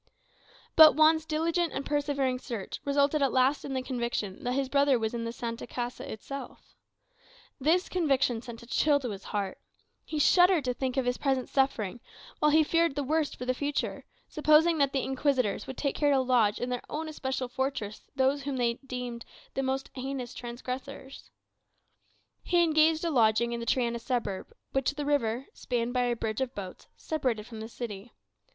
But Juan's diligent and persevering search resulted at last in the conviction that his brother was in the "Santa Casa" itself. This conviction sent a chill to his heart. He shuddered to think of his present suffering, whilst he feared the worst for the future, supposing that the Inquisitors would take care to lodge in their own especial fortress those whom they esteemed the most heinous transgressors. He engaged a lodging in the Triana suburb, which the river, spanned by a bridge of boats, separated from the city.